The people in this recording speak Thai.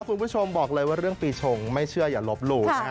คุณผู้ชมบอกเลยว่าเรื่องปีชงไม่เชื่ออย่าลบหลู่นะฮะ